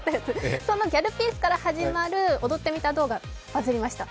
そのギャルピースから始まる踊ってみた動画バズりました。